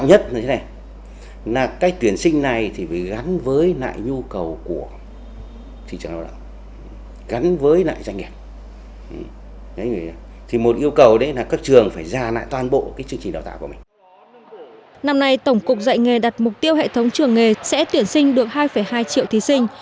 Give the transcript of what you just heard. năm nay tổng cục dạy nghề đặt mục tiêu hệ thống trường nghề sẽ tuyển sinh được hai hai triệu thí sinh